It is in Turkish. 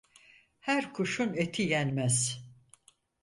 Her kuşun eti yenmez.